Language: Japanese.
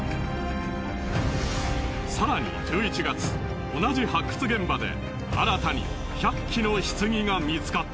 更に１１月同じ発掘現場で新たに１００基の棺が見つかった。